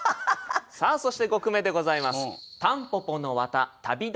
さあそして５句目でございます。